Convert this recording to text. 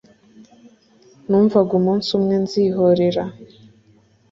numvaga umunsi umwe nzihorera